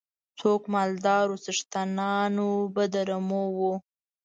څوک مالدار وو څښتنان به د رمو وو.